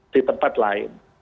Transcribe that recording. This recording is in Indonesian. di tempat lain